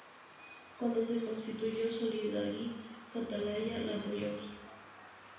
Cuando se constituyó Solidaritat Catalana la apoyó.